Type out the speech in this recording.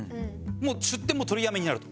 もう出展も取りやめになると。